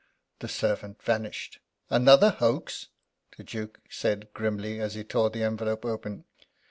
The servant vanished. "Another hoax!" the Duke said, grimly, as he tore the envelope open.